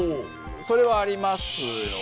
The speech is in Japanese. それはありますよね。